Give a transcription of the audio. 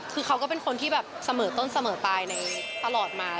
คือเขาก็เป็นคนที่แบบเสมอต้นเสมอไปตลอดมา